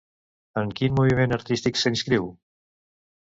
En quin moviment artístic s'inscriu?